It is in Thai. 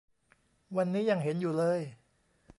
วันนี้ยังเห็นอยู่เลย